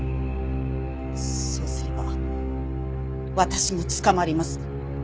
そうすれば私も捕まります。